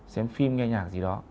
xem phim nghe nhạc gì đó